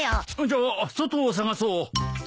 じゃあ外を捜そう！